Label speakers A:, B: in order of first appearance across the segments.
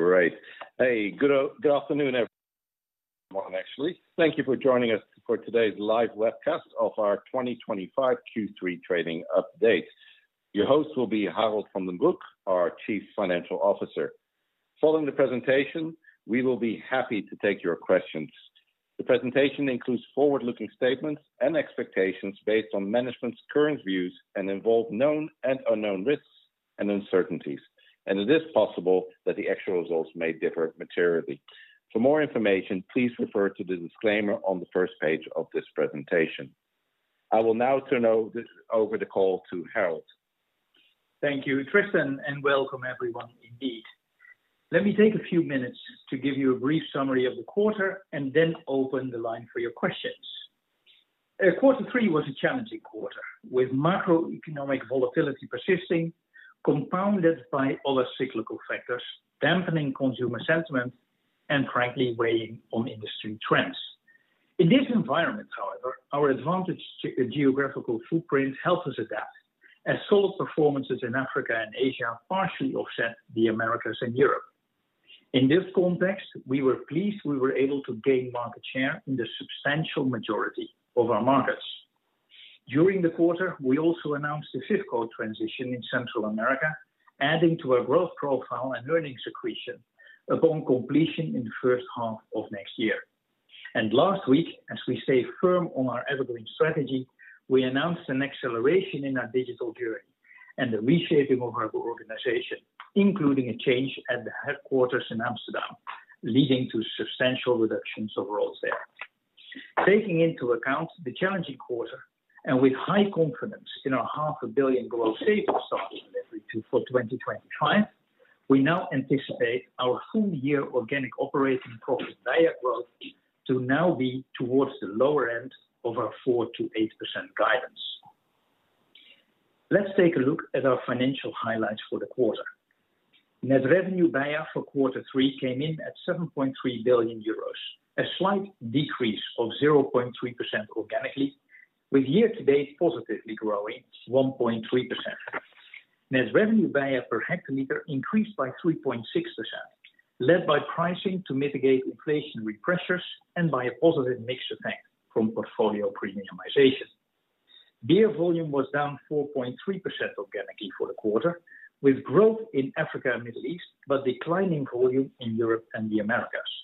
A: Great. Hey, good afternoon, everyone. Good morning, actually. Thank you for joining us for today's live webcast of our twenty twenty five Q3 trading update. Your host will be Harald van den Broek, our Chief Financial Officer. Following the presentation, we will be happy to take your questions. The presentation includes forward looking statements and expectations based on management's current views and involve known and unknown risks and uncertainties, and it is possible that the actual results may differ materially. For more information, please refer to the disclaimer on the first page of this presentation. I will now turn over the call to Harald.
B: Thank you, Tristan, and welcome, everyone, indeed. Let me take a few minutes to give you a brief summary of the quarter and then open the line for your questions. Quarter three was a challenging quarter with macroeconomic volatility persisting, compounded by other cyclical factors, dampening consumer sentiment and frankly weighing on industry trends. In this environment, however, our advantaged geographical footprint helps us adapt as solid performances in Africa and Asia partially offset The Americas and Europe. In this context, we were pleased we were able to gain market share in the substantial majority of our markets. During the quarter, we also announced the Fifth Co transition in Central America, adding to our growth profile and earnings accretion upon completion in the first half of next year. And last week, as we stay firm on our evergreen strategy, we announced an acceleration in our digital journey and the reshaping of our organization, including a change at the headquarters in Amsterdam, leading to substantial reductions of roles there. Taking into account the challenging quarter and with high confidence in our EUR $05,000,000,000 growth savings starting for 2025, we now anticipate our full year organic operating profit direct growth to now be towards the lower end of our 4% to 8% guidance. Let's take a look at our financial highlights for the quarter. Net revenue DAIA for quarter three came in at €7,300,000,000 a slight decrease of 0.3% organically with year to date positively growing 1.3%. Net revenue BAIA per hectoliter increased by 3.6%, led by pricing to mitigate inflationary pressures and by a positive mix effect from portfolio premiumization. Beer volume was down 4.3% organically for the quarter, with growth in Africa and Middle East, but declining volume in Europe and The Americas.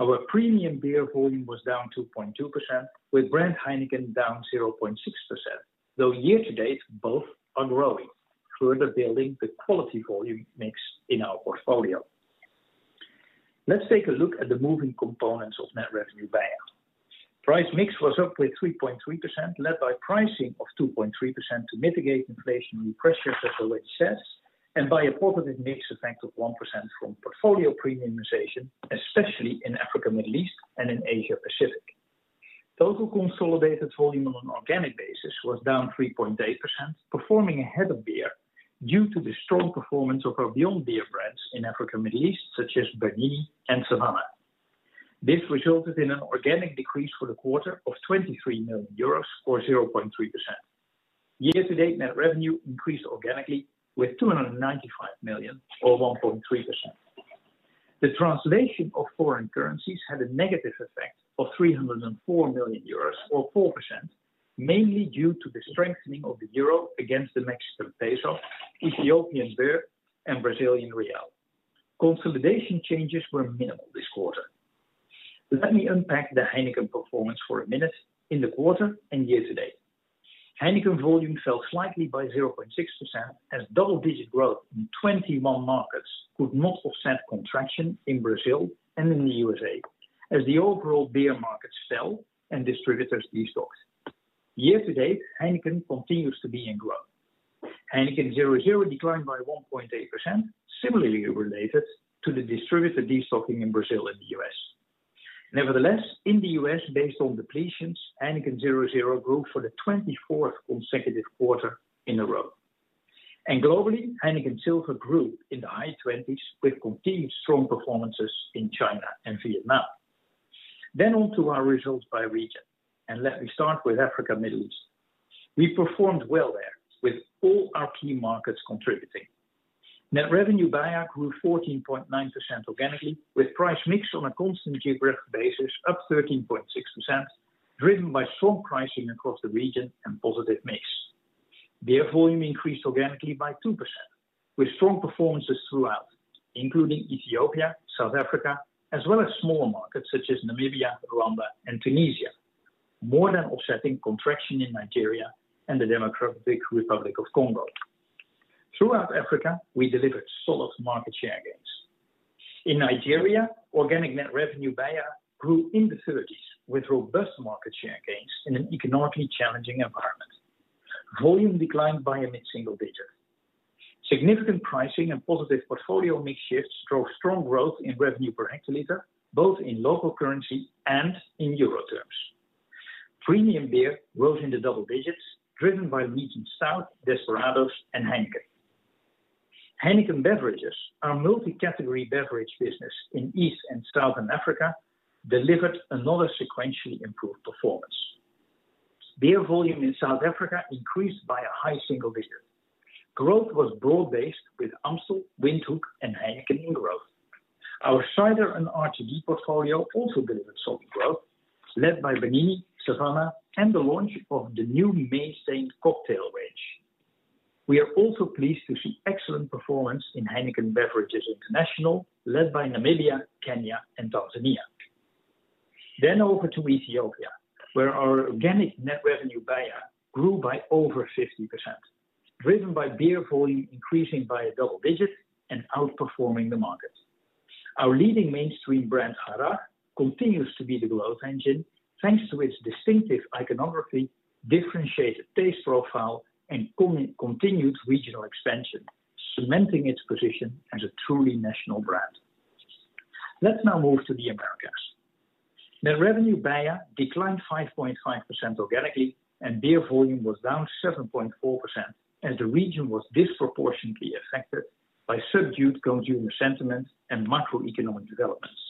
B: Our premium beer volume was down 2.2% with Brand Heineken down 0.6%, though year to date both are growing, further building the quality volume mix in our portfolio. Let's take a look at the moving components of net revenue there. Pricemix was up by 3.3% led by pricing of 2.3% to mitigate inflationary pressures as always says and by a positive mix effect of 1% from portfolio premiumization, especially in Africa, Middle East and in Asia Pacific. Total consolidated volume on an organic basis was down 3.8%, performing ahead of beer due to the strong performance of our Beyond Beer brands in Africa, Middle East, such as Bagui and Savannah. This resulted in an organic decrease for the quarter of €23,000,000 or 0.3%. Year to date net revenue increased organically with €295,000,000 or 1.3%. The translation of foreign currencies had a negative effect of $3.00 €4,000,000 or 4%, mainly due to the strengthening of the euro against the Mexican peso, Ethiopian BER and Brazilian real. Consolidation changes were minimal this quarter. Let me unpack the Heineken performance for a minute in the quarter and year to date. Heineken volume fell slightly by 0.6% as double digit growth in 21 markets could not offset contraction in Brazil and in The USA as the overall beer market fell and distributors destocked. Year to date, Heineken continues to be in growth. Heineken zero point zero declined by 1.8%, similarly related to the distributor destocking in Brazil and The U. S. Nevertheless, in The U. S, based on depletions, Heineken zero point zero grew for the twenty fourth consecutive quarter in a row. And globally, Heineken Silver grew in the high 20s with continued strong performances in China and Vietnam. Then on to our results by region, and let me start with Africa Middle East. We performed well there with all our key markets contributing. Net revenue by AR grew 14.9% organically with pricemix on a constant geographic basis up 13.6%, driven by strong pricing across the region and positive mix. Beer volume increased organically by 2% with strong performances throughout, including Ethiopia, South Africa as well as smaller markets such as Namibia, Rwanda and Tunisia, more than offsetting contraction in Nigeria and The Democratic Republic Of Congo. Throughout Africa, we delivered solid market share gains. In Nigeria, organic net revenue Bayer grew in the 30s with robust market share gains in an economically challenging environment. Volume declined by a mid single digit. Significant pricing and positive portfolio mix shift drove strong growth in revenue per hectoliter, both in local currency and in euro terms. Premium beer rose in the double digits, driven by Region South, Desperados and Heineken. Heineken Beverages, our multi category beverage business in East And Southern Africa, delivered another sequentially improved performance. Beer volume in South Africa increased by a high single digit. Growth was broad based with Amstel, Windhoek and Heineken in growth. Our cider and RTD portfolio also delivered solid growth led by Bagnini, Savannah and the launch of the new May Saint cocktail range. We are also pleased to see excellent performance in Heineken Beverages International led by Namibia, Kenya and Tanzania. Then over to Ethiopia, where our organic net revenue Bayer grew by over 50%, driven by beer volume increasing by double digit and outperforming the market. Our leading mainstream brand, Hara, continues to be the growth engine, thanks to its distinctive iconography, differentiated taste profile and continued regional expansion, cementing its position as a truly national brand. Let's now move to The Americas. Net revenue per year declined 5.5% organically and beer volume was down 7.4% as the region was disproportionately affected by subdued consumer sentiment and macroeconomic developments,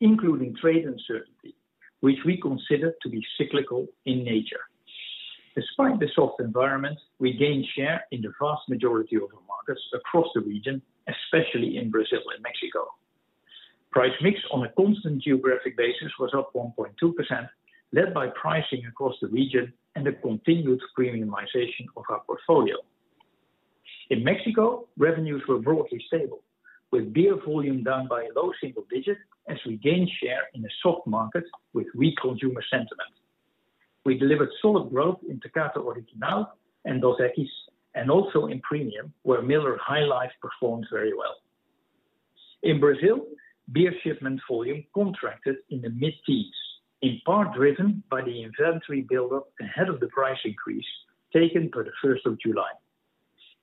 B: including trade uncertainty, which we consider to be cyclical in nature. Despite the soft environment, we gained share in the vast majority of our markets across the region, especially in Brazil and Mexico. Pricemix on a constant geographic basis was up 1.2%, led by pricing across the region and the continued premiumization of our portfolio. In Mexico, revenues were broadly stable with beer volume down by low single digit as we gained share in a soft market with weak consumer sentiment. We delivered solid growth in Tecate Oritinal and Dos Equis and also in premium where Miller High Life performed very well. In Brazil, beer shipment volume contracted in the mid teens, in part driven by the inventory buildup ahead of the price increase taken by the July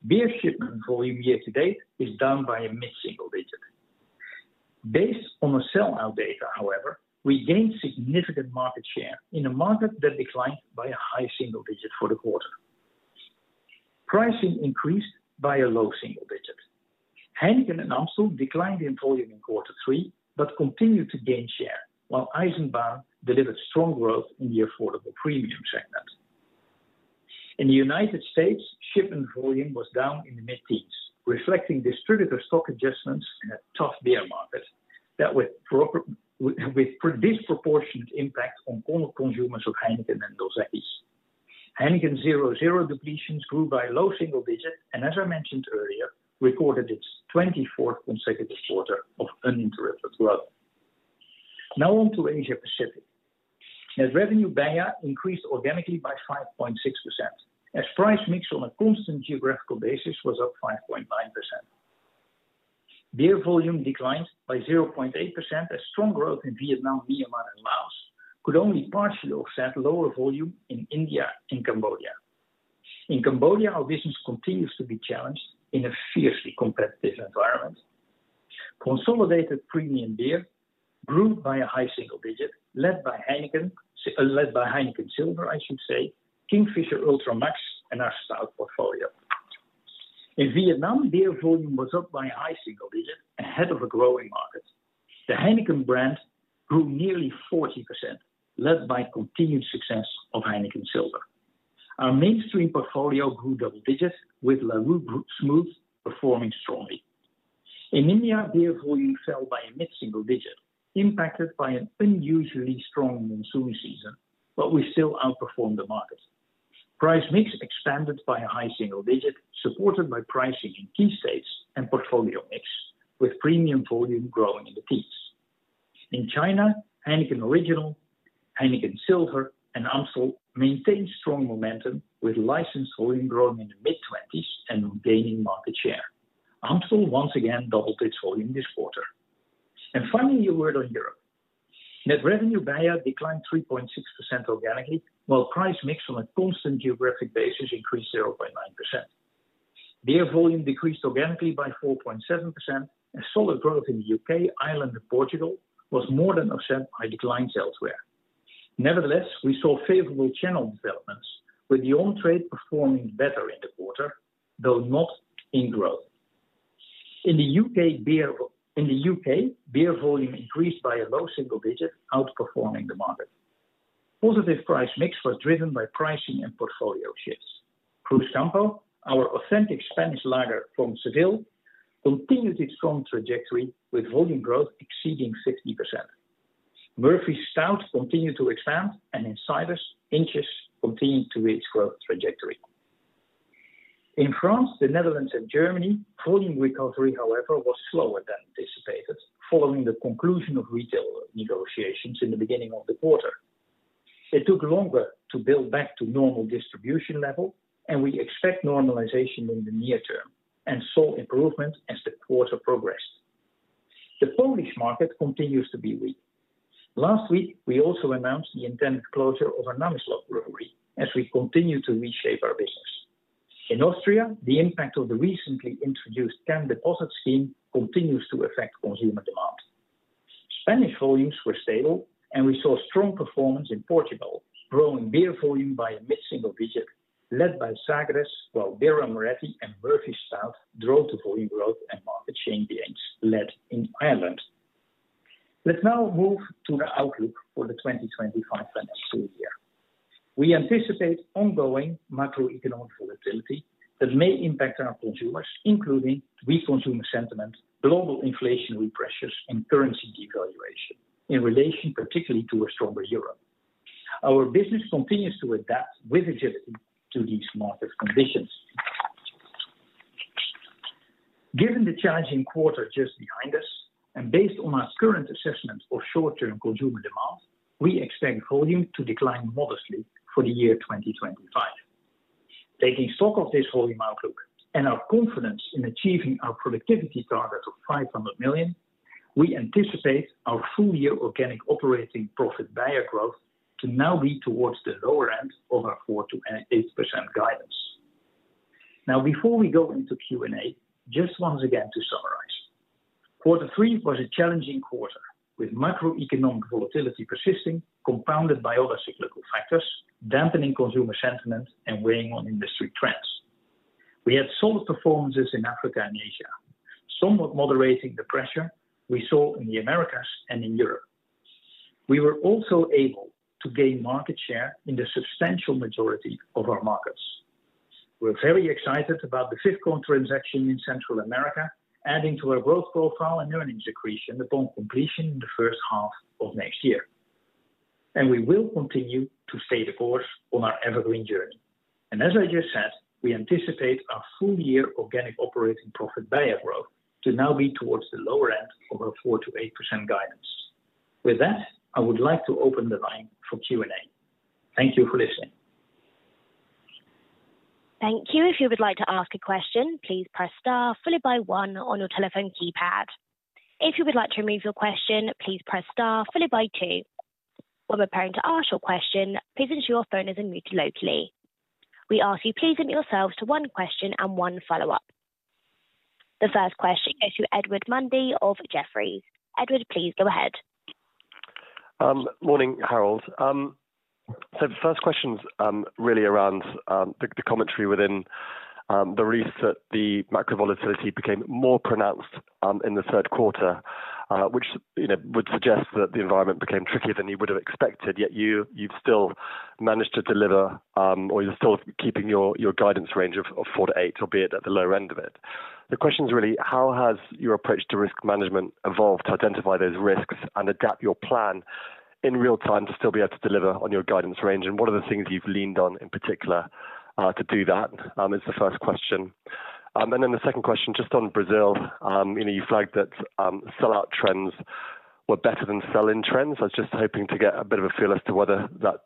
B: 1. Beer shipment volume year to date is down by a mid single digit. Based on the sell out data, however, we gained significant market share in a market that declined by a high single digit for the quarter. Pricing increased by a low single digit. Heineken and Amstril declined in volume in quarter three, but continued to gain share, while Eisenbaum delivered strong growth in the affordable premium segment. In The United States, shipment volume was down in the mid teens, reflecting distributor stock adjustments in a tough beer market that with disproportionate impact on all consumers of Heineken and Dulcekis. Heineken zero point zero depletions grew by low single digit and as I mentioned earlier, recorded its twenty fourth consecutive quarter of uninterrupted growth. Now on to Asia Pacific. Net revenue BEIA increased organically by 5.6% as price mix on a constant geographical basis was up 5.9%. Beer volume declined by 0.8% as strong growth in Vietnam, Myanmar and Laos could only partially offset lower volume in India and Cambodia. In Cambodia, our business continues to be challenged in a fiercely competitive environment. Consolidated premium beer grew by a high single digit led by Heineken by Heineken Silver, I should say, Kingfisher Ultramax and our style portfolio. In Vietnam, beer volume was up by high single digit ahead of a growing market. The Heineken brand grew nearly 40%, led by continued success of Heineken Silver. Our mainstream portfolio grew double digits with La Rue Brut Smooth performing strongly. In India, beer volume fell by mid single digit impacted by an unusually strong monsoon season, but we still outperformed the market. Pricemix expanded by a high single digit supported by pricing in key states and portfolio mix with premium volume growing in the peaks. In China, Heineken Original, Heineken Silver and Amstel maintained strong momentum with license volume growing in the mid-20s and gaining market share. Amstel once again doubled its volume this quarter. And finally, a word on Europe. Net revenue BEIA declined 3.6% organically, while price mix on a constant geographic basis increased 0.9%. Beer volume decreased organically by 4.7% and solid growth in The UK, Ireland and Portugal was more than offset by declines elsewhere. Nevertheless, we saw favorable channel developments with the on trade performing better in the quarter, though not in growth. In The UK, beer volume increased by a low single digit, outperforming the market. Positive pricemix was driven by pricing and portfolio shifts. Cruz Campo, our authentic Spanish lager from Seville, continued its strong trajectory with volume growth exceeding 60%. Murphy's stout continued to expand and in Cybers inches continued to reach growth trajectory. In France, The Netherlands and Germany, volume recovery however was slower than anticipated following the conclusion of retail negotiations in the beginning of the quarter. It took longer to build back to normal distribution level and we expect normalization in the near term and saw improvement as the quarter progressed. The Polish market continues to be weak. Last week, we also announced the intended closure of our Nammislov brewery as we continue to reshape our business. In Austria, the impact of the recently introduced CAN deposit scheme continues to affect consumer demand. Spanish volumes were stable and we saw strong performance in Portugal, growing beer volume by mid single digit led by Sagres, while Vera Moretti and Murphy South drove the volume growth market chain gains led in Ireland. Let's now move to the outlook for the 2025 financial year. We anticipate ongoing macroeconomic volatility that may impact our consumers including weak consumer sentiment, global inflationary pressures and currency devaluation in relation particularly to a stronger Europe. Our business continues to adapt with agility to these market conditions. Given the challenging quarter just behind us and based on our current assessment of short term consumer demand, we expect volume to decline modestly for the year 2025. Taking stock of this volume outlook and our confidence in achieving our productivity targets of €500,000,000 we anticipate our full year organic operating profit buyer growth to now be towards the lower end of our 4% to 8% guidance. Now before we go into Q and A, just once again to summarize. Quarter three was a challenging quarter with macroeconomic volatility persisting compounded by other cyclical factors, dampening consumer sentiment and weighing on industry trends. We had solid performances in Africa and Asia, somewhat moderating the pressure we saw in The Americas and in Europe. We were also able to gain market share in the substantial majority of our markets. We're very excited about the FifthCon transaction in Central America, adding to our growth profile and earnings accretion upon completion in the first half of next year. And we will continue to stay the course on our evergreen journey. And as I just said, we anticipate our full year organic operating profit by year growth to now be towards the lower end of our 4% to 8% guidance. With that, I would like to open the line for Q and A. Thank you for listening.
C: The first question is from Edward Mundy of Jefferies. Edward, please go ahead.
D: Good morning, Harold. So the first question is really around the commentary within the recent macro volatility became more pronounced in the third quarter, which would suggest that the environment became trickier than you would have expected, yet you'd still managed to deliver or you're still keeping your guidance range of 48%, albeit at the lower end of it. The question is really how has your approach to risk management evolved to identify those risks and adapt your plan in real time to still be able to deliver on your guidance range? And what are the things you've leaned on in particular to do that is the first question. And then the second question just on Brazil. You flagged that sell out trends were better than sell in trends. I was just hoping to get a bit of a feel as to whether that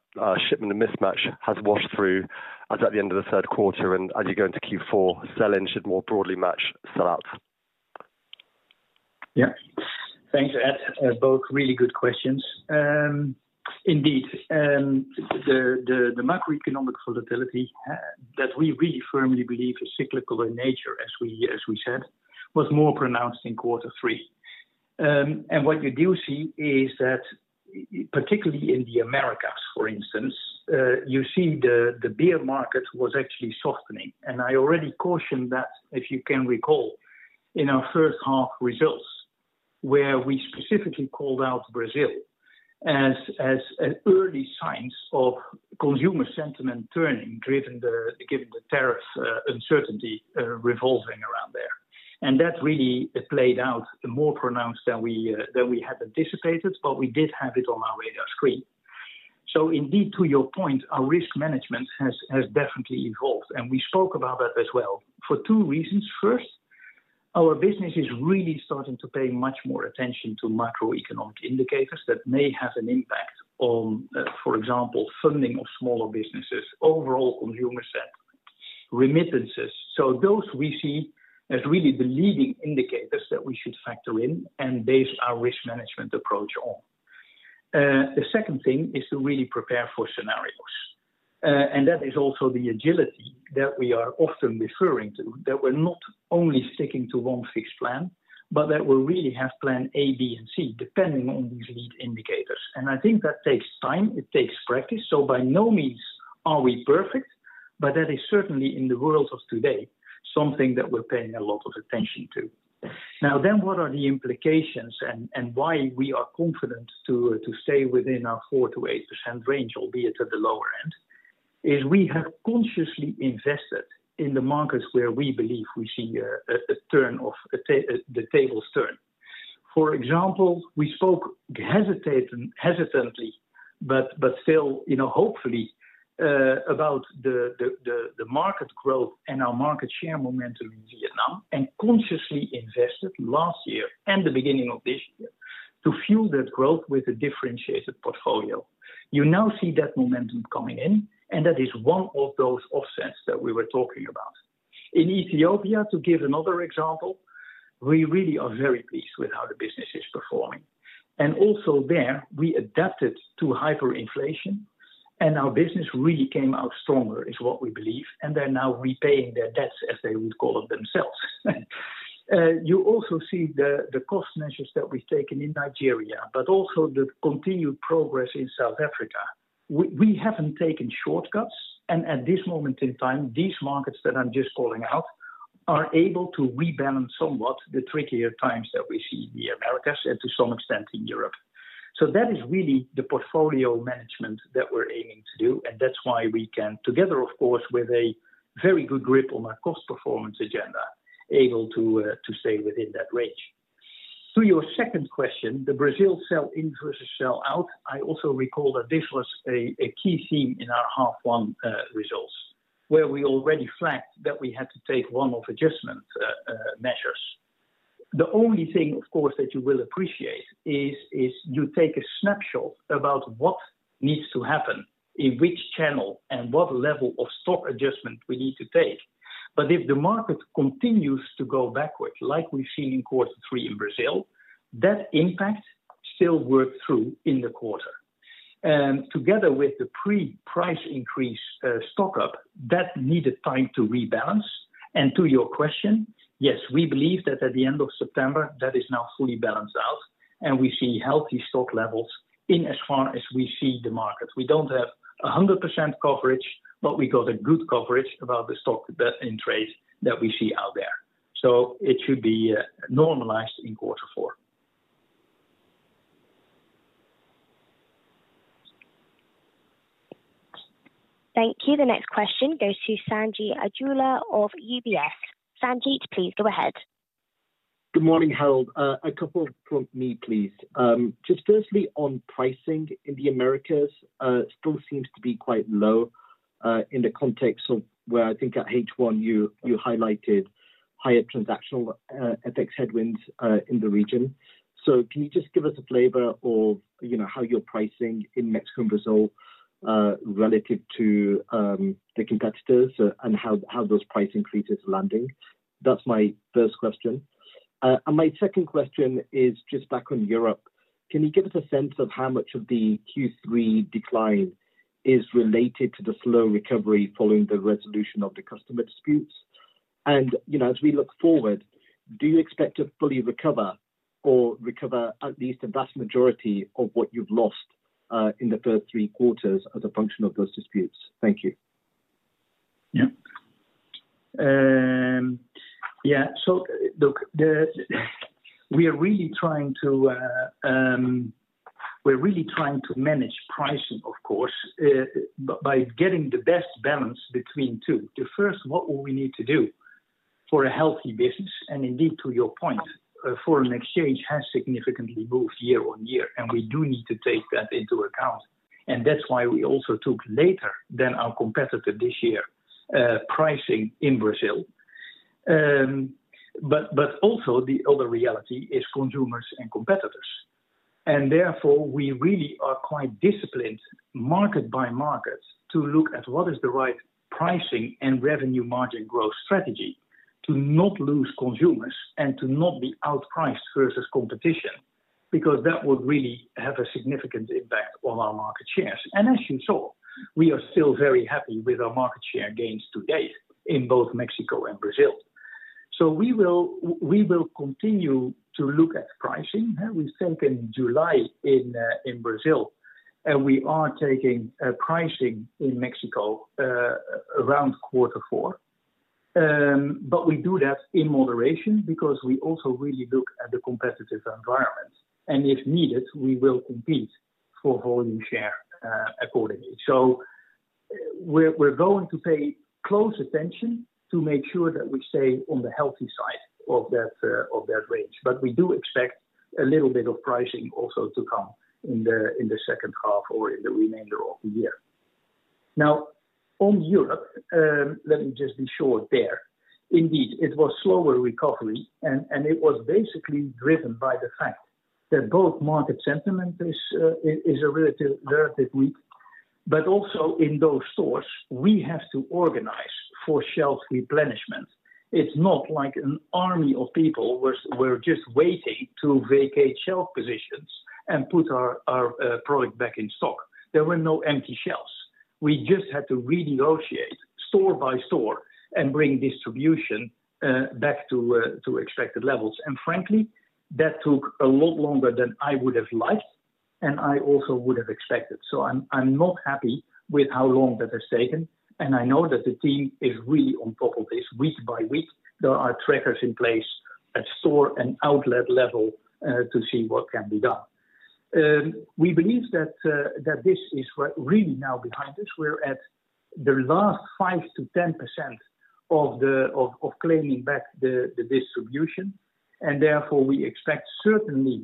D: shipment of mismatch has washed through as at the end of the third quarter and as you go into Q4, sell in should more broadly match sell out?
B: Yes. Thanks, Ed. Both really good questions. Indeed, the macroeconomic volatility that we really firmly believe is cyclical in nature, as we said, was more pronounced in quarter three. And what you do see is that particularly in The Americas, for instance, you see the beer market was actually softening. And I already cautioned that, if you can recall, in our first half results, where we specifically called out Brazil as early signs of consumer sentiment turning, given the tariff uncertainty revolving around there. And that really played out more pronounced than we had anticipated, but we did have it on our radar screen. So indeed to your point, our risk management has definitely evolved and we spoke about that as well for two reasons. First, our business is really starting to pay much more attention to macroeconomic indicators that may have an impact on, for example, funding of smaller businesses, overall consumer set, remittances. So those we see as really the leading indicators that we should factor in and base our risk management approach on. The second thing is to really prepare for scenarios. And that is also the agility that we are often referring to that we're not only sticking to one fixed plan, but that we really have plan A, B and C depending on these lead indicators. And I think that takes time. It takes practice. So by no means are we perfect, but that is certainly in the world of today, something that we're paying a lot of attention to. Now then what are the implications and why we are confident to stay within our 4% to 8% range, albeit at the lower end, is we have consciously invested in the markets where we believe we see a turn of the tables turn. For example, we spoke hesitantly, but still hopefully about the market growth and our market share momentum in Vietnam and consciously invested last year and the beginning of this year to fuel that growth with a differentiated portfolio. You now see that momentum coming in, and that is one of those offsets that we were talking about. In Ethiopia, to give another example, we really are very pleased with how the business is performing. And also there, we adapted to hyperinflation and our business really came out stronger is what we believe, and they're now repaying their debts as they would call it themselves. You also see the cost measures that we've taken in Nigeria, but also the continued progress in South Africa. We haven't taken shortcuts. And at this moment in time, these markets that I'm just calling out are able to rebalance somewhat the trickier times that we see in The Americas and to some extent in Europe. So that is really the portfolio management that we're aiming to do. And that's why we can, together, of course, with a very good grip on our cost performance agenda, able to stay within that range. To your second question, the Brazil sell in versus sell out, I also recall that this was a key theme in our half one results, where we already flagged that we had to take one off adjustment measures. The only thing, of course, that you will appreciate is you take a snapshot about what needs to happen in which channel and what level of stock adjustment we need to take. But if the market continues to go backwards, like we've seen in quarter three in Brazil, that impact still worked through in the quarter. Together with the pre price increase stock up, that needed time to rebalance. And to your question, yes, we believe that at the September, that is now fully balanced out, and we see healthy stock levels in as far as we see the market. We don't have 100% coverage, but we got a good coverage about the stock in trade that we see out there. So it should be normalized in quarter four.
C: Thank you. The next question goes to Sanjit Adula of UBS. Sanjit, please go ahead.
E: Good morning, Harold. A couple from me, please. Just firstly, on pricing in The Americas, still seems to be quite low in the context of where I think at H1, you highlighted higher transactional FX headwinds in the region. So can you just give us a flavor of how you're pricing in Mexico and Brazil relative to the competitors and how those price increases landing? That's my first question. And my second question is just back on Europe. Can you give us a sense of how much of the Q3 decline is related to the slow recovery following the resolution of the customer disputes? And as we look forward, do you expect to fully recover or recover at least the vast majority of what you've lost in the first three quarters as a function of those disputes? Thank you.
B: Yes. So look, we're really trying to manage pricing, of course, by getting the best balance between two. The first, what will we need to do for a healthy business? And indeed, to your point, foreign exchange has significantly moved year on year, and we do need to take that into account. And that's why we also took later than our competitor this year pricing in Brazil. But also the other reality is consumers and competitors. And therefore, we really are quite disciplined market by market to look at what is the right pricing and revenue margin growth strategy to not lose consumers and to not be outpriced versus competition because that would really have a significant impact on our market shares. And as you saw, we are still very happy with our market share gains to date in both Mexico and Brazil. So we will continue to look at pricing. We've taken July in Brazil, and we are taking pricing in Mexico around quarter four. But we do that in moderation because we also really look at the competitive environment. And if needed, we will compete for volume share accordingly. So we're going to pay close attention to make sure that we stay on the healthy side of that range. But we do expect a little bit of pricing also to come in the second half or in the remainder of the year. Now on Europe, let me just be short there. Indeed, it was slower recovery and it was basically driven by the fact that both market sentiment is a relative weak. But also in those stores, we have to organize for shelf replenishment. It's not like an army of people who are just waiting to vacate shelf positions and put our product back in stock. There were no empty shelves. We just had to renegotiate store by store and bring distribution back to expected levels. And frankly, that took a lot longer than I would have liked and I also would have expected. So I'm not happy with how long that has taken. And I know that the team is really on top of this week by week. There are trackers in place at store and outlet level to see what can be done. We believe that this is really now behind us. We're at the last 5% to 10% of the of claiming back the distribution. And therefore, we expect certainly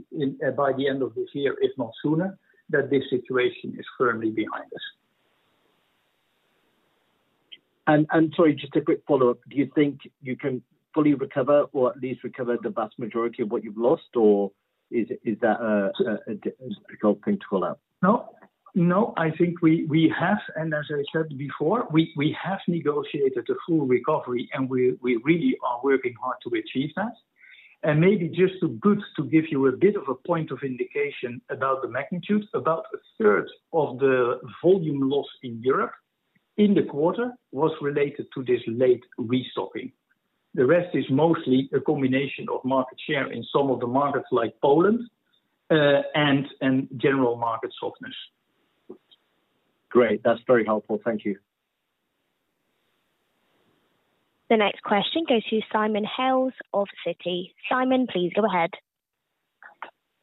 B: by the end of this year, if not sooner, that this situation is firmly behind us.
E: And sorry, just a quick follow-up. Do you think you can fully recover or at least recover the vast majority of what you've lost? Or is that a
B: difficult thing to call out? No. I think we have, and as I said before, we have negotiated a full recovery, and we really are working hard to achieve that. And maybe just to give you a bit of a point of indication about the magnitude, about onethree of the volume loss in Europe in the quarter was related to this late restocking. The rest is mostly a combination of market share in some of the markets like Poland and general market softness.
E: Great. That's very helpful. Thank you.
C: The next question goes to Simon Hales of Citi. Simon, please go ahead.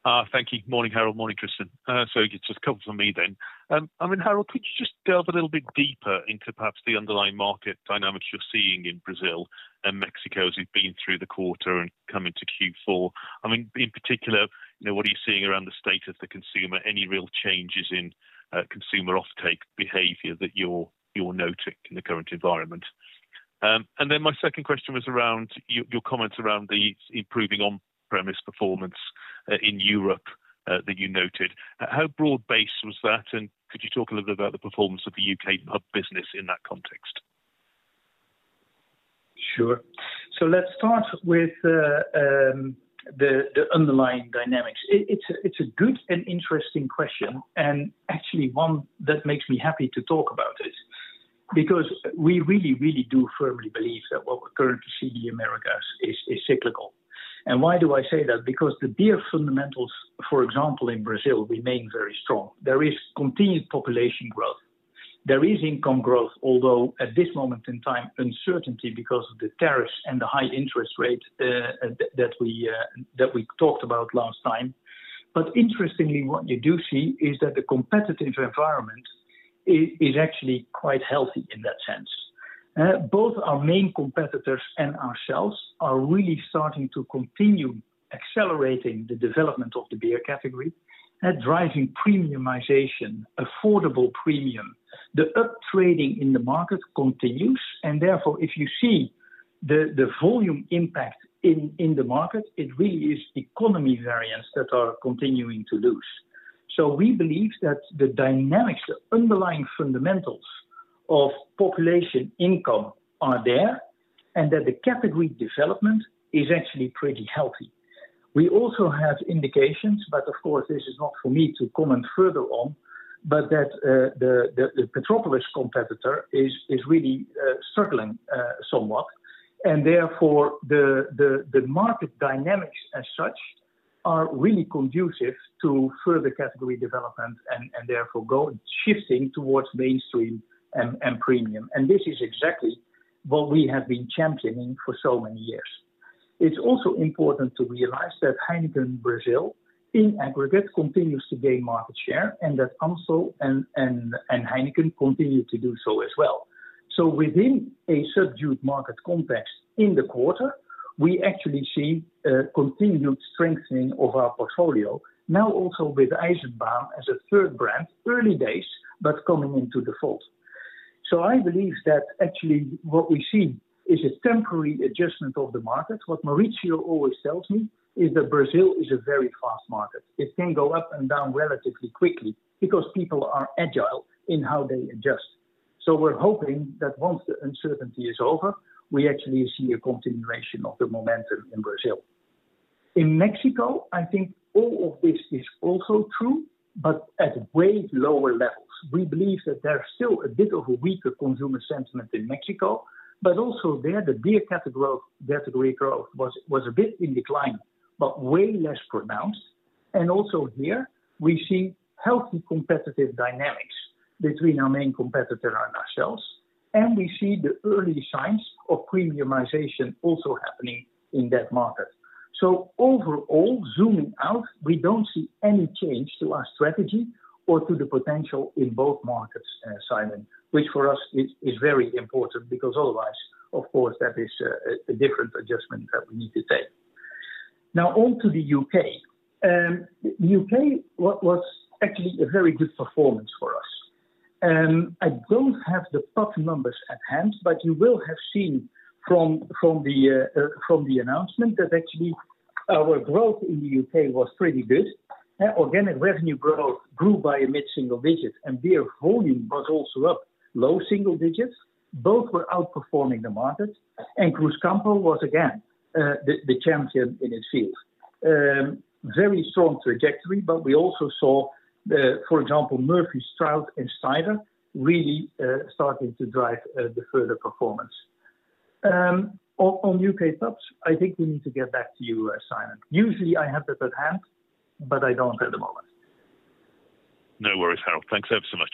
F: Thank you. Good morning, Harold. Good morning, Tristan. So just a couple for me then. Mean, Harold, could you just delve a little bit deeper into perhaps the underlying market dynamics you're seeing in Brazil and Mexico as you've been through the quarter and come into Q4? I mean, in particular, what are you seeing around the state of the consumer? Any real changes in consumer offtake behavior that you're noting in the current environment? And then my second question was around your comments around the improving on premise performance in Europe that you noted. How broad based was that? And could you talk a little bit about the performance of The UK pub business in that context?
B: Sure. So let's start with the underlying dynamics. It's a good and interesting question. And actually one that makes me happy to talk about it because we really, really do firmly believe that what we're currently seeing in The Americas is cyclical. And why do I say that? Because the beer fundamentals, for example, in Brazil remain very strong. There is continued population growth. There is income growth, although at this moment in time, uncertainty because of the tariffs and the high interest rate that we talked about last time. But interestingly, what you do see is that the competitive environment is actually quite healthy in that sense. Both our main competitors and ourselves are really starting to continue accelerating the development of the beer category, driving premiumization, affordable premium. The up trading in the market continues. And therefore, if you see the volume impact in the market, it really is economy variance that are continuing to lose. So we believe that the dynamics, underlying fundamentals of population income are there and that the category development is actually pretty healthy. We also have indications, but of course, this is not for me to comment further on, but that the Petroperus competitor is really struggling somewhat. And therefore, the market dynamics as such are really conducive to further category development and therefore, shifting towards mainstream and premium. And this is exactly what we have been championing for so many years. It's also important to realize that Heineken Brazil, in aggregate continues to gain market share and that Amso and Heineken continue to do so as well. So within a subdued market context in the quarter, we actually see continued strengthening of our portfolio, now also with Eisenbaum as a third brand, early days, but coming into default. So I believe that actually what we see is a temporary adjustment of the market. What Mauricio always tells me is that Brazil is a very fast market. It can go up and down relatively quickly because people are agile in how they adjust. So we're hoping that once the uncertainty is over, we actually see a continuation of the momentum in Brazil. In Mexico, I think all of this is also true, but at way lower levels. We believe that there's still a bit of a weaker consumer sentiment in Mexico, but also there the beer category growth was a bit in decline, but way less pronounced. And also here, we see healthy competitive dynamics between our main competitor and ourselves, and we see the early signs of premiumization also happening in that market. So overall, zooming out, we don't see any change to our strategy or to the potential in both markets, Simon, which for us is very important because otherwise, of course, that is a different adjustment that we need to take. Now on to The UK. The UK was actually a very good performance for us. I don't have the top numbers at hand, but you will have seen from the announcement that actually our growth in The UK was pretty good. Organic revenue growth grew by mid single digits, and beer volume was also up low single digits. Both were outperforming the market. And Grus Campo was, again, the champion in its field. Very strong trajectory, but we also saw, for example, Murphy, Stroud and Snyder really starting to drive the further performance. On U. K. Pubs, I think we need to get back to you, Simon. Usually, I have that at hand, but I don't at the moment.
F: No worries, Harald. Thanks ever so much.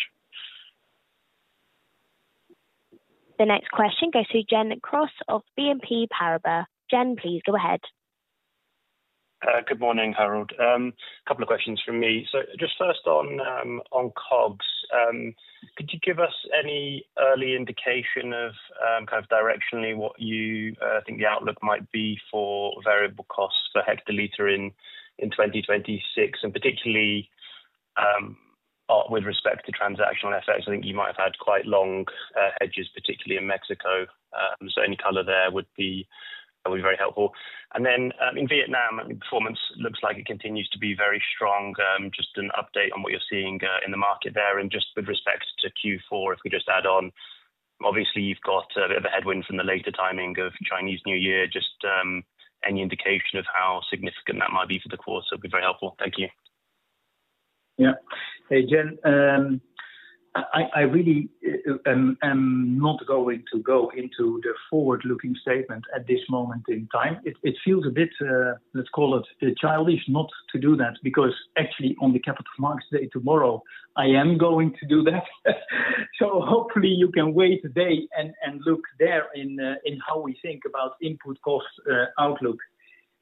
C: The next question goes to Gen Kross of BNP Paribas. Gen, please go ahead.
G: Good morning, Harold. A couple of questions from me. So just first on COGS. Could you give us any early indication of kind of directionally what you think the outlook might be for variable costs per hectoliter in 2026? And particularly with respect to transactional effects, I think you might have had quite long hedges, particularly in Mexico. So any color there would be very helpful. And then in Vietnam, the performance looks like it continues to be very strong. Just an update on what you're seeing in the market there. And just with respect to Q4, if you could just
H: add
G: on, obviously, you've got a headwind from the later timing of Chinese New Year. Just any indication of how significant that might be for the quarter would be very helpful. Thank you.
B: Jen. I really am not going to go into the forward looking statement at this moment in time. It feels a bit, let's call it, childish not to do that because actually on the Capital Markets Day tomorrow, I am going to do that. So hopefully, you can wait a day and look there in how we think about input costs outlook.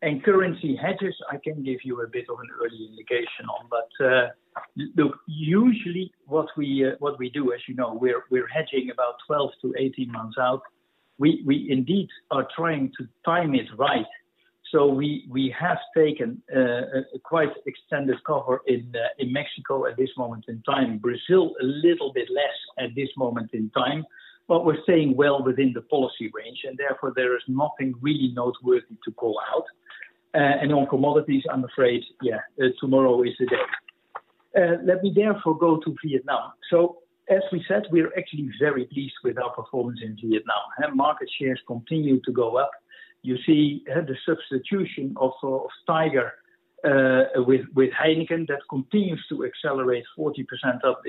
B: And currency hedges, I can give you a bit of an early indication on. But look, usually what we do as you know, we're hedging about twelve to eighteen months out. We indeed are trying to time it right. So we have taken a quite extended cover in Mexico at this moment in time. Brazil, a little bit less at this moment in time. But we're staying well within the policy range and therefore there is nothing really noteworthy to call out. And on commodities, I'm afraid, yes, tomorrow is the day. Let me therefore go to Vietnam. So as we said, we are actually very pleased with our performance in Vietnam. Market shares continue to go up. You see the substitution of Tiger with Heineken that continues to accelerate 40% up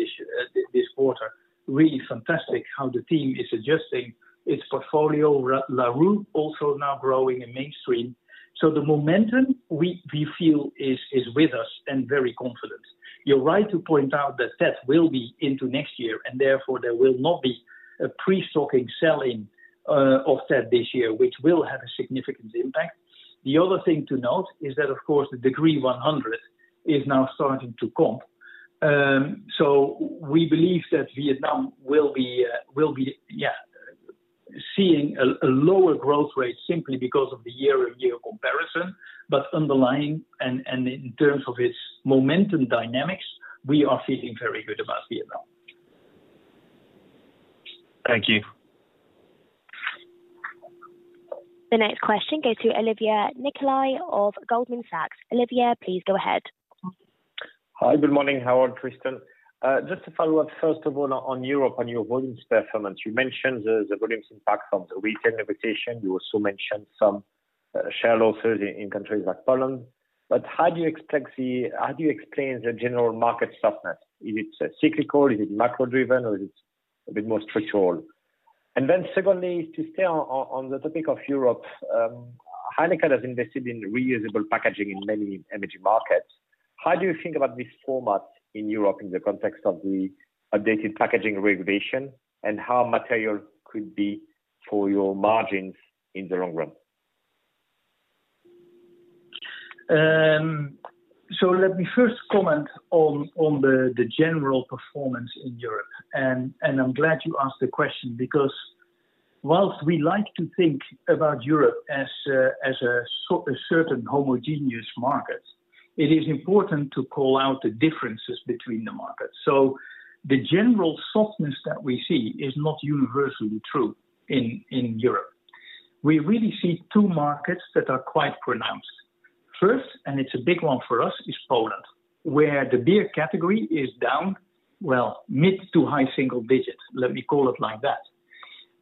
B: this quarter. Really fantastic how the team is adjusting its portfolio. LaRue also now growing in mainstream. So the momentum we feel is with us and very confident. You're right to point out that, that will be into next year, and therefore, will not be a pre stocking selling of that this year, which will have a significant impact. The other thing to note is that, of course, the Degree 100 is now starting to comp. So we believe that Vietnam will be seeing a lower growth rate simply because of the year over year comparison. But underlying and in terms of its momentum dynamics, we are feeling very good about Vietnam.
H: Thank you.
C: The next question goes to Olivier Nikolay of Goldman Sachs. Olivier, please go ahead.
H: Hi, good morning, Howard, Tristan. Just a follow-up, first of all, on Europe, on your volumes performance. You mentioned the volumes impact from the retail negotiation. You also mentioned some share losses in countries like Poland. But how do you expect the how do you explain the general market softness? Is it cyclical? Is it macro driven? Or is it a bit more structural? And then secondly, to stay on the topic of Europe, Heineken has invested in reusable packaging in many emerging markets. How do you think about this format in Europe in the context of the updated packaging regulation? And how material could be for your margins in the long run?
B: So let me first comment on the general performance in Europe. And I'm glad you asked the question because whilst we like to think about Europe as a certain homogeneous market, it is important to call out the differences between the markets. So the general softness that we see is not universally true in Europe. We really see two markets that are quite pronounced. First, and it's a big one for us, is Poland, where the beer category is down, well, mid to high single digits, let me call it like that.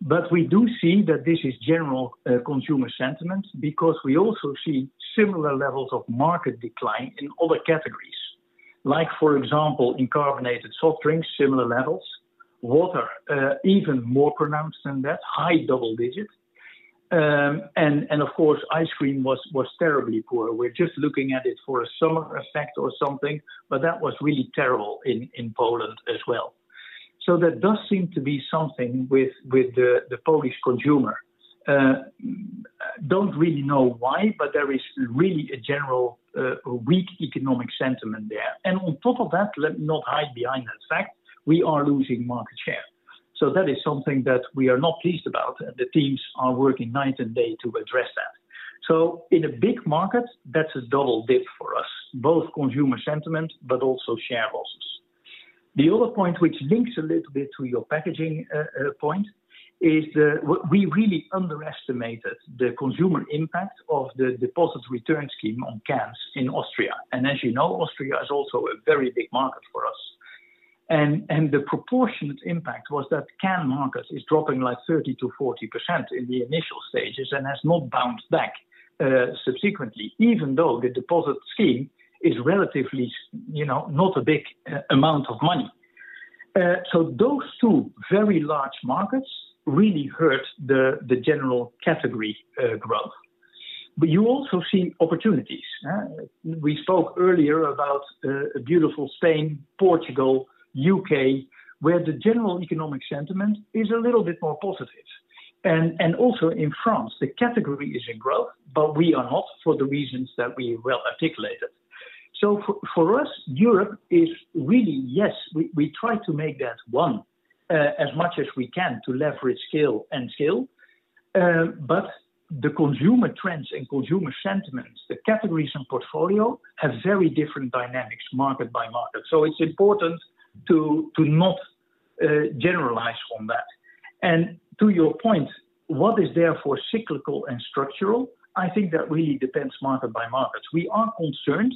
B: But we do see that this is general consumer sentiment because we also see similar levels of market decline in other categories, Like for example, in carbonated soft drinks, similar levels. Water, even more pronounced than that, high double digit. And of course, ice cream was terribly poor. We're just looking at it for a summer effect or something, but that was really terrible in Poland as well. So that does seem to be something with the Polish consumer. Don't really know why, but there is really a general weak economic sentiment there. And on top of that, let's not hide behind that fact, we are losing market share. So that is something that we are not pleased about. The teams are working night and day to address that. So in a big market, that's a double dip for us, both consumer sentiment, but also share losses. The other point which links a little bit to your packaging point is that we really underestimated the consumer impact of the deposit return scheme on cans in Austria. And as you know, Austria is also a very big market for us. And the proportionate impact was that can market is dropping like 30 to 40% in the initial stages and has not bounced back subsequently, even though the deposit scheme is relatively not a big amount of money. So those two very large markets really hurt the general category growth. But you also see opportunities. Spoke earlier about a beautiful Spain, Portugal, UK, where the general economic sentiment is a little bit more positive. And also in France, the category is in growth, but we are not for the reasons that we well articulated. So for us, Europe is really, yes, we try to make that one as much as we can to leverage scale and scale. But the consumer trends and consumer sentiments, the categories and portfolio have very different dynamics market by market. So it's important to not generalize from that. And to your point, what is therefore cyclical and structural? I think that really depends market by market. We are concerned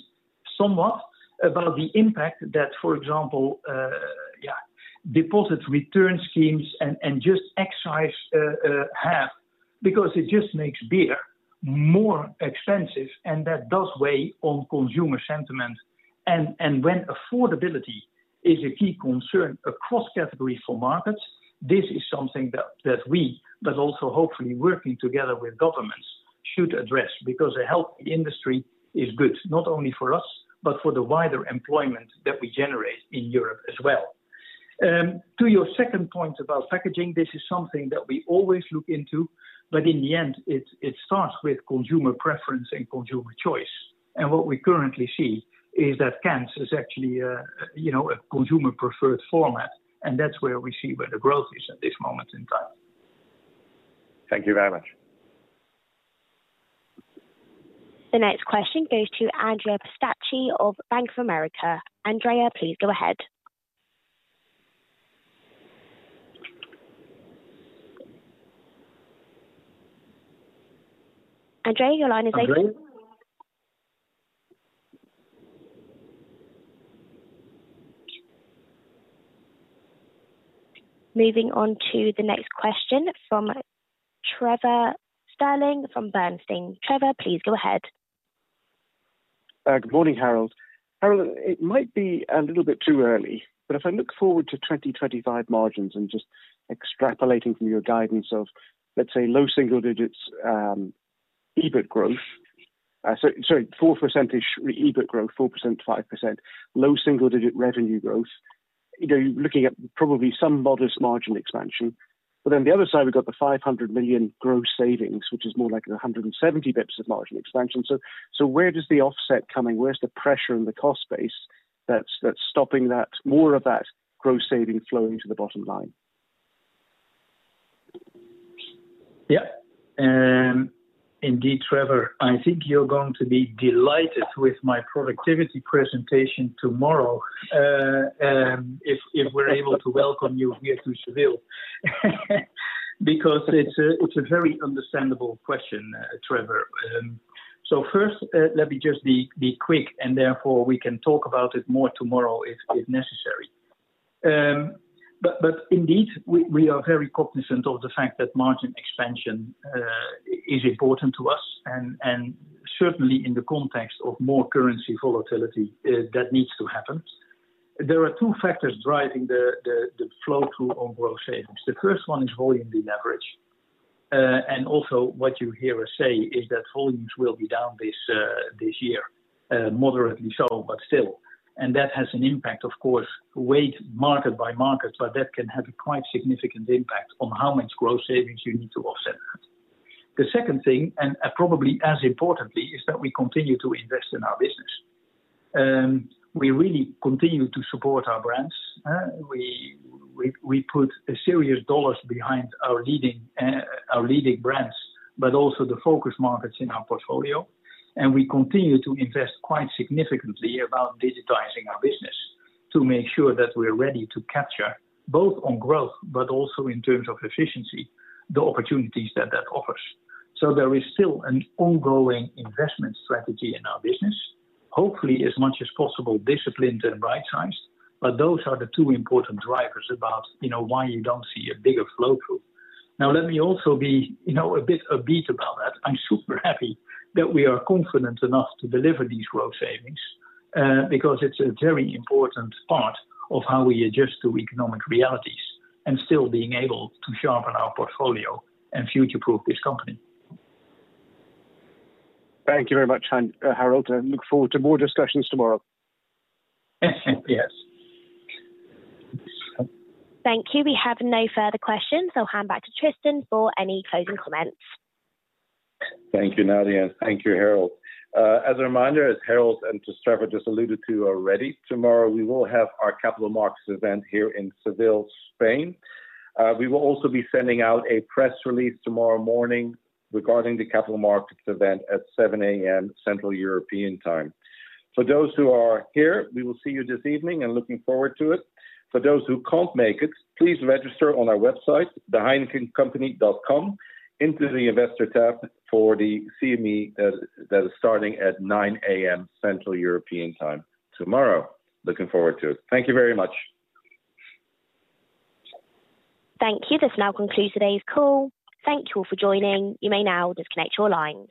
B: somewhat about the impact that, for example, yes, deposit return schemes and just excise half because it just makes beer more expensive and that does weigh on consumer sentiment. And when affordability is a key concern across categories for markets, this is something that we, but also hopefully working together with governments, should address because a healthy industry is good, not only for us, but for the wider employment that we generate in Europe as well. To your second point about packaging, this is something that we always look into. But in the end, it starts with consumer preference and consumer choice. And what we currently see is that cans is actually a consumer preferred format, and that's where we see where the growth is at this moment in time.
H: Thank you very much.
C: The next question goes to Andrea Pistacci of Bank of America. Andrea, please go ahead. Moving on to the next question from Trevor Stirling from Bernstein. Trevor, please go ahead.
I: Good morning, Harold. Harold, it might be a little bit too early. But if I look forward to twenty twenty five margins and just extrapolating from your guidance of, let's say, low single digits EBIT growth sorry, four percentage EBIT growth, 4% to 5%, low single digit revenue growth. You're looking at probably some modest margin expansion. But then the other side, we've got the €500,000,000 gross savings, which is more like 170 bps of margin expansion. So where does the offset coming? Where's the pressure in the cost base that's stopping that more of that gross savings flowing to the bottom line?
B: Yes. Indeed, Trevor. I think you're going to be delighted with my productivity presentation tomorrow. If we're able to welcome you here to Seville, because it's a very understandable question, Trevor. So first, let me just be quick and therefore we can talk about it more tomorrow necessary. But indeed, we are very cognizant of the fact that margin expansion is important to us and certainly in the context of more currency volatility that needs to happen. There are two factors driving the flow through on gross savings. The first one is volume deleverage. And also what you hear us say is that volumes will be down this year, moderately subtle, but still. And that has an impact of course, weight market by market, but that can have a quite significant impact on how much gross savings you need to offset that. The second thing and probably as importantly is that we continue to invest in our business. We really continue to support our brands. We put a serious dollars behind our leading brands, but also the focus markets in our portfolio. And we continue to invest quite significantly about digitizing our business to make sure that we are ready to capture both on growth, but also in terms of efficiency, the opportunities that, that offers. So there is still an ongoing investment strategy in our business, hopefully, as much as possible, disciplined and right sized. But those are the two important drivers about why you don't see a bigger flow through. Now let me also be a bit upbeat about that. I'm super happy that we are confident enough to deliver these growth savings because it's a very important part of how we adjust to economic realities and still being able to sharpen our portfolio and future proof this company.
I: Thank you very much, Harald. I look forward to more discussions tomorrow. Yes.
C: Thank you. We have no further questions. I'll hand back to Tristan for any closing comments.
A: Thank you, Nadia. Thank you, Harald. As a reminder, as Harald and to Strever just alluded to already, tomorrow, we will have our Capital Markets event here in Seville, Spain. We will also be sending out a press release tomorrow morning regarding the Capital Markets event at seven a. M. Central European Time. For those who are here, we will see you this evening and looking forward to it. For those who can't make it, please register on our website, theheinikinkcompany.com, into the Investor tab for the CME that is starting at 9AM Central European Time tomorrow. Looking forward to it. Thank you very much.
C: Thank you. This now concludes today's call. Thank you all for joining. You may now disconnect your lines.